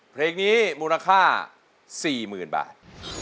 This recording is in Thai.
เพลงนี้มูลค่า๔๐๐๐บาท